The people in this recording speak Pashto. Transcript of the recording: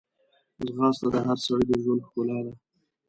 ځغاسته د هر سړي د ژوند ښکلا ده